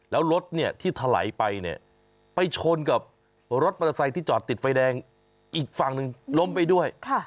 แล้วรถเนี่ยที่ถลายไปเนี่ยไปชนกับรถมอเตอร์ไซค์ที่จอดติดไฟแดงอีกฝั่งหนึ่งล้มไปด้วย